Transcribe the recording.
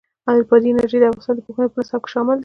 بادي انرژي د افغانستان د پوهنې په نصاب کې شامل ده.